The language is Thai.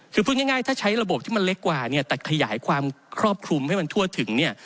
คือพูดง่ายถ้าใช้ระบบที่มันเล็กกว่าเนี่ยแต่ขยายความครอบคลุมให้มันทั่วถึงเนี่ย